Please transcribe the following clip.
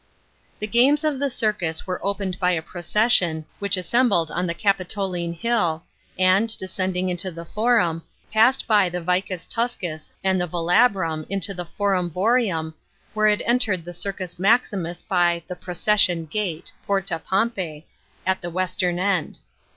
§ 23. The games of the circus were opened by a procession, which assembled on the Capitoline Hill, and, descending into the Forum, passed by the Vicus Tuscus and the Velabrum into the Forum Boarium, where it entered the Circus Maximus by the " Procession Gate " (Porta Pompse) at the western end.